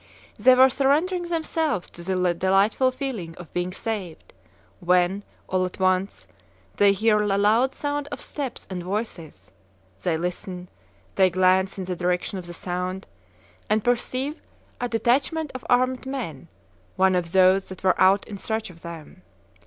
They were surrendering themselves to the delightful feeling of being saved, when, all at once, they hear a loud sound of steps and voices; they listen; they glance in the direction of the sound, and perceive a detachment of armed men, one of those that were out in search of them.